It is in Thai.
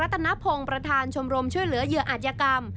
ตนพงศ์ประธานชมรมช่วยเหลือเหยื่ออาจยกรรม